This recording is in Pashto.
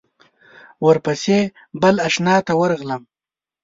ورپسې بل آشنا ته ورغلم.